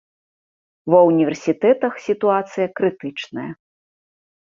Ва ўніверсітэтах сітуацыя крытычная.